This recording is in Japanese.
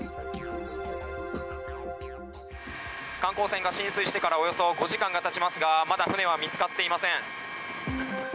観光船が浸水してからおよそ５時間が経ちますがまだ船は見つかっていません。